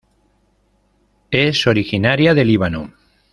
Es originaria de Líbano.